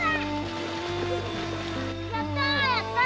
やったァ！